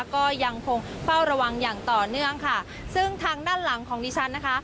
ก็ยังคงเฝ้าระวังอย่างต่อเนื่องค่ะซึ่งทางด้านหลังของดิฉันนะคะ